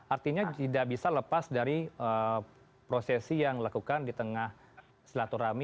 artinya tidak bisa lepas dari prosesi yang dilakukan di tengah silaturahmi